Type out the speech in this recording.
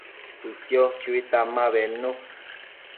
tsësio chuitan ma bednu